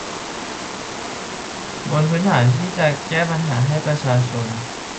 บนพื้นฐานที่จะแก้ปัญหาให้ประชาชน